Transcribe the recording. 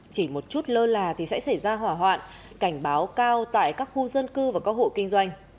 chỉ một chút lơ là thì sẽ xảy ra hỏa hoạn cảnh báo cao tại các khu dân cư và các hộ kinh doanh